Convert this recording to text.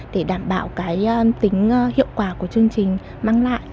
để đảm bảo cái tính hiệu quả của chương trình mang lại